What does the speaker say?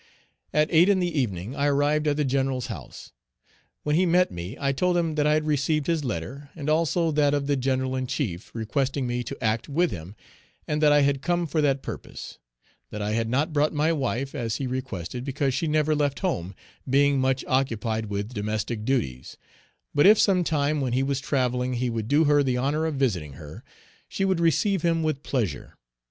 At eight in the evening I arrived at the General's house. When he met me, I told him that I had received his letter, and also that of the General in chief, requesting me to act with him, and that I had come for that purpose; that I had not brought my wife, as he requested, because she never left home, being much occupied with domestic duties, but if sometime, when he was travelling, he would do her the honor of visiting her, she would receive him with pleasure.